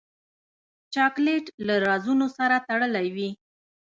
چاکلېټ له رازونو سره تړلی وي.